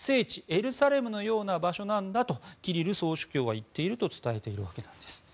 エルサレムのような場所なんだとキリル総主教は言っていると伝えているんです。